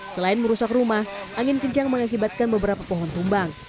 selain merusak rumah angin kencang mengakibatkan beberapa pohon tumbang